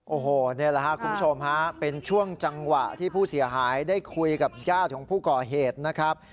โอ้โหนี่แหละครับคุณผู้ชมฮะเป็นช่วงจังหวะที่ผู้เสียหายได้คุยกับญาติของผู้ก่อเหตุนะครับ